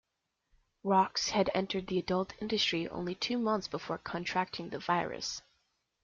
Roxx had entered the adult industry only two months before contracting the virus.